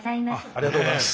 ありがとうございます。